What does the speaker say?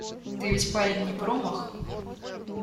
Ты ведь парень не промах.